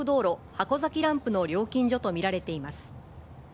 箱崎ランプの料金所と見られています。